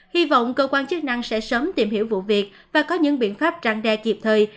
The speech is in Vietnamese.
hy vọng cơ quan chức năng sẽ sớm tìm hiểu vụ việc và có những biện pháp răng đe kịp thời